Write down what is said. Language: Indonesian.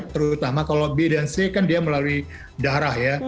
terutama kalau b dan c kan dia melalui darah ya